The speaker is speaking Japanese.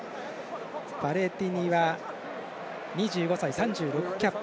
バレティニは２５歳、３６キャップ。